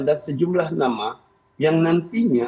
dan sejumlah nama yang nantinya